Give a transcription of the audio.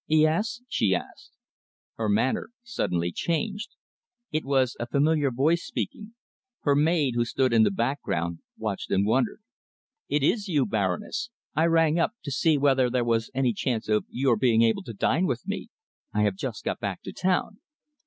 "Yes?" she asked. Her manner suddenly changed. It was a familiar voice speaking. Her maid, who stood in the background, watched and wondered. "It is you, Baroness! I rang up to see whether there was any chance of your being able to dine with me? I have just got back to town."